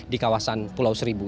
di kawasan pulau seribu